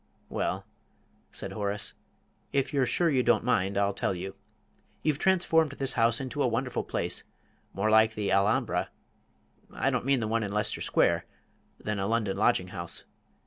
"Well," said Horace, "if you're sure you don't mind, I'll tell you. You've transformed this house into a wonderful place, more like the Alhambra I don't mean the one in Leicester Square than a London lodging house.